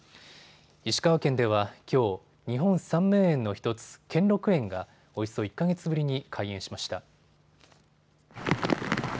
石川県ではきょう、日本三名園の１つ、兼六園がおよそ１か月ぶりに開園しました。